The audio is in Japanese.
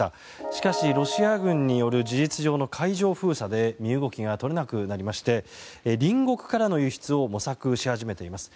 しかし、ロシア軍による事実上の海上封鎖で身動きが取れなくなりまして隣国からの輸出を模索し始めています。